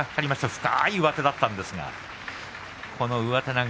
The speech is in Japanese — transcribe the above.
深い上手だったんですが上手投げ。